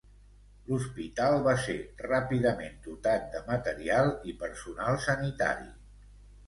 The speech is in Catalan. L'hospital va ser ràpidament dotat de material i personal sanitari.